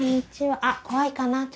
あっ怖いかな。